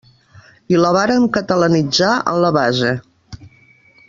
I la varen catalanitzar en la base.